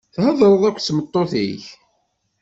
Theḍṛeḍ akked tmeṭṭut-ik?